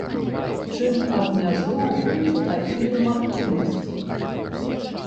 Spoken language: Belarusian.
Чым абмяжоўваюцца такія магчымасці?